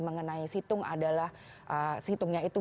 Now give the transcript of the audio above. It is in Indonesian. mengenai hitung adalah hitungnya itu